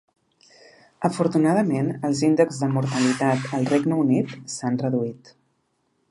Afortunadament, els índexs de mortalitat al Regne Unit s'han reduït